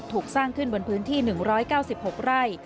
ถูกสร้างขึ้นบนพื้นที่๑๙๖ไร่